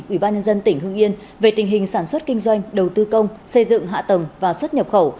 ủy ban nhân dân tỉnh hưng yên về tình hình sản xuất kinh doanh đầu tư công xây dựng hạ tầng và xuất nhập khẩu